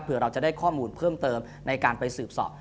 เพื่อเราจะได้ข้อมูลเพิ่มเติมในการไปสืบสอบ